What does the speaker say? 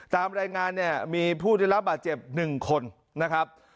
ตามรายงานเนี่ยมีผู้ได้รับบาดเจ็บ๑คนนะครับ